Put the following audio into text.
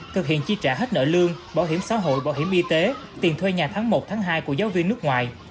thực hiện chi trả hết nợ lương bảo hiểm xã hội bảo hiểm y tế tiền thuê nhà tháng một tháng hai của giáo viên nước ngoài